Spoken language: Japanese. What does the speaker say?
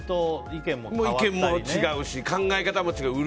意見も違うし考え方も違うし。